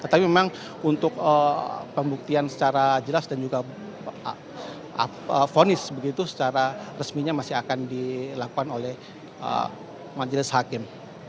tetapi memang untuk pembuktian secara jelas dan juga fonis begitu secara resminya masih akan dilakukan oleh majelis hakim